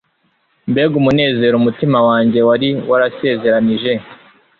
mbega umunezero umutima wanjye wari warasezeranije